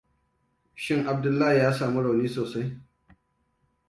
Shin Abdullahi ya samu rauni sosai?